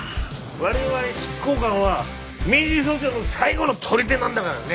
我々執行官は民事訴訟の最後のとりでなんだからね。